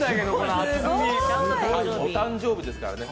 お誕生日ですからね。